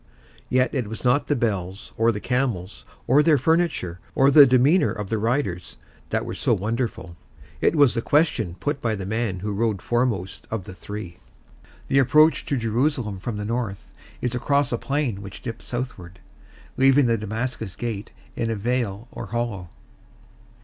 Yet it was not the bells or the camels, or their furniture, or the demeanor of the riders, that were so wonderful; it was the question put by the man who rode foremost of the three. The approach to Jerusalem from the north is across a plain which dips southward, leaving the Damascus Gate in a vale or hollow.